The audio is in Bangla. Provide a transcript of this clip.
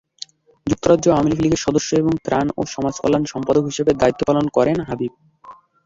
যুক্তরাজ্য আওয়ামী লীগের সদস্য এবং ত্রাণ ও সমাজকল্যাণ সম্পাদক হিসেবে দায়িত্ব পালন করেন হাবিব।